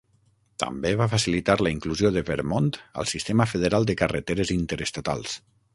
També va facilitar la inclusió de Vermont al sistema federal de carreteres interestatals.